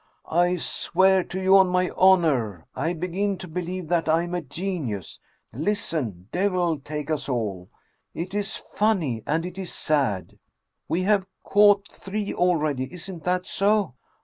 " I swear to you on my honor, I begin to believe that I am a genius! Listen, devil take us all ! It is funny, and it is sad. We have caught three already isn't that so?